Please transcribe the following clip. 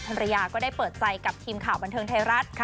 ภรรยาก็ได้เปิดใจกับทีมข่าวบันเทิงไทยรัฐ